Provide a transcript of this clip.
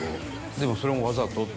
でもそれもわざとっていう。